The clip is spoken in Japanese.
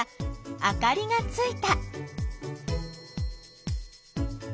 あかりがついた！